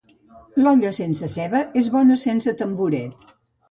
L'olla sense ceba és boda sense tamboret.